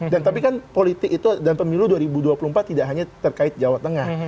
dan tapi kan politik itu dan pemilu dua ribu dua puluh empat tidak hanya terkait jawa tengah